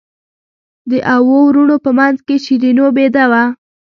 د اوو وروڼو په منځ کې شیرینو بېده وه.